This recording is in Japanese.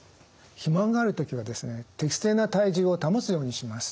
肥満がある時はですね適正な体重を保つようにします。